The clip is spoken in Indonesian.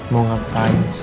mau ngapain sih